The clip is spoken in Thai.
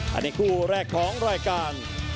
อันนี้คู่แรกของรายการ